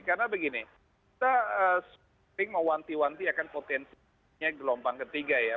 karena begini kita sering mewanti wanti akan potensinya gelombang ketiga ya